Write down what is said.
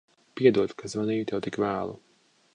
Piedod, ka zvanīju tev tik vēlu.